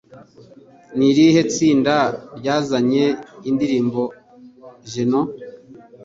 ni irihe tsinda ryazanye indirimbo Geno?